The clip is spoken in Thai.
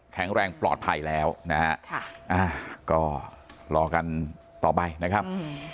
แข็งแรงปลอดภัยแล้วนะฮะก็รอกันต่อไปนะครับ